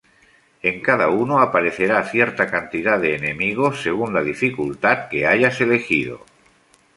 En cada uno, aparecerá cierta cantidad de enemigos según la dificultad que hayas elegido.